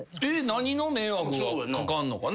何の迷惑がかかるのかな？